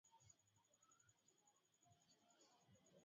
na kutekelezwa kwa kiwango cha chini na jinsi